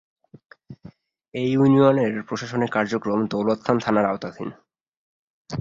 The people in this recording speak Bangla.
এ ইউনিয়নের প্রশাসনিক কার্যক্রম দৌলতখান থানার আওতাধীন।